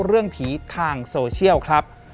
เรื่องผีทางโซเชียลครับ